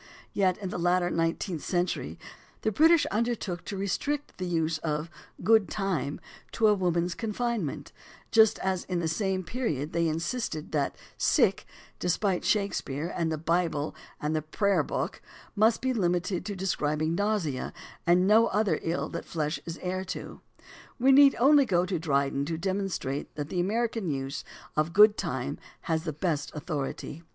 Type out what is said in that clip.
Yet in the later nineteenth century the British undertook to restrict the use of "good time" to a woman's confine ment, just as in the same period they insisted that "sick," despite Shakespeare and the Bible and the Prayer book, must be limited to describing nausea and no other ill that flesh is heir to. 254 THE ORIGIN OF CERTAIN AMERICANISMS We need only go to Dryden to demonstrate that the American use of "good time" has the best author ity.